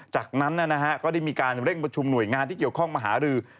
จากนั้นก็ได้มีการเร่งประชุมหน่วยงานที่เกี่ยวข้องมาหารือ